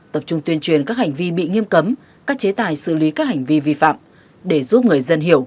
tập trung tuyên truyền các hành vi bị nghiêm cấm các chế tài xử lý các hành vi vi phạm để giúp người dân hiểu